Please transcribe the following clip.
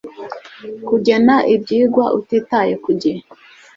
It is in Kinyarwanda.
kugena ibyigwa utitaye ku gihe